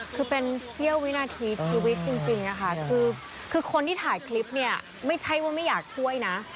คือเป็นเสี้ยววินาทีชีวิตจริงค่ะคือคนที่ถ่ายคลิปเนี่ยไม่ใช่ว่าไม่อยากช่วยนะ